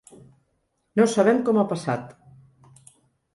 No sabem com ha passat.